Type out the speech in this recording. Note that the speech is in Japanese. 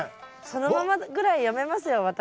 そのままぐらい読めますよ